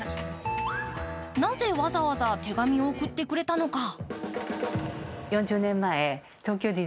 なぜ、わざわざ手紙を送ってくれたのか？